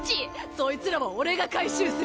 そいつらは俺が回収する。